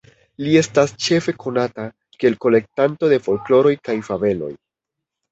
Li estas ĉefe konata kiel kolektanto de folkloro kaj fabeloj.